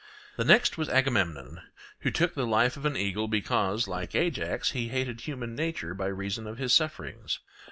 The next was Agamemnon, who took the life of an eagle, because, like Ajax, he hated human nature by reason of his sufferings.